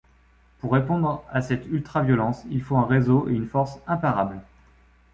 Pour répondre à cette ultra-violence, il faut un réseau et une force imparables.